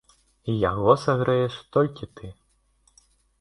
І яго сагрэеш толькі ты.